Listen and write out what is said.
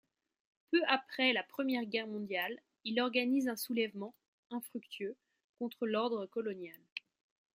Peu après la Première Guerre mondiale, il organise un soulèvement, infructueux, contre l'ordre colonial.